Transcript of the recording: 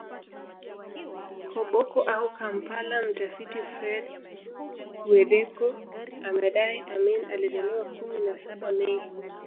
Koboko au Kampala Mtafiti Fred Guweddeko amedai Amin alizaliwa kumi na saba Mei